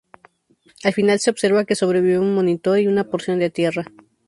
Al final se observa que sobrevive un monitor y una porción de tierra.